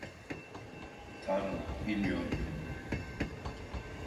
Tanrım, bilmiyorum.